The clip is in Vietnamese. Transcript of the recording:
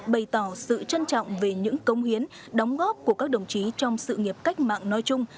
bày tỏ sự trân trọng về những công hiến đóng góp của các đồng chí trong sự nghiệp cách mạng nói chung